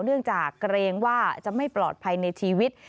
เนื่องจากเกรงว่าจะไม่ปลอดภัยในชีวิต